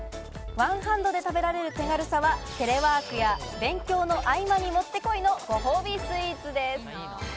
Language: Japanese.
ワンハンドで食べられる手軽さは、テレワークや勉強の合間にもってこいのご褒美スイーツです。